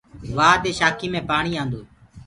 وآه دي شآکينٚ مي پآڻي آندو هي۔